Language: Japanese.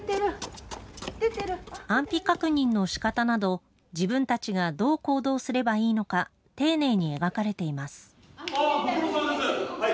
安否確認のしかたなど、自分たちがどう行動すればいいのか、丁寧に描かれています。